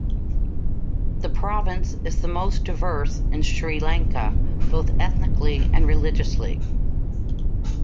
The province is the most diverse in Sri Lanka, both ethnically and religiously.